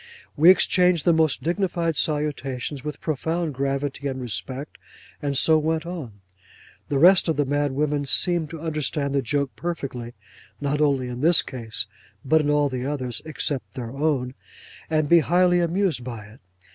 We exchanged the most dignified salutations with profound gravity and respect, and so went on. The rest of the madwomen seemed to understand the joke perfectly (not only in this case, but in all the others, except their own), and be highly amused by it.